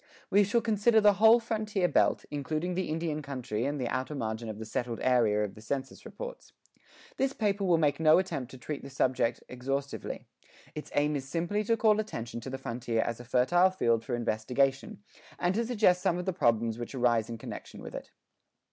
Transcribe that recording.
We shall consider the whole frontier belt, including the Indian country and the outer margin of the "settled area" of the census reports. This paper will make no attempt to treat the subject exhaustively; its aim is simply to call attention to the frontier as a fertile field for investigation, and to suggest some of the problems which arise in connection with it.